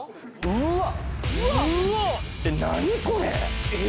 うわっ！